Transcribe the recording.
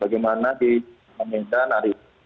bagaimana di pemerintah narik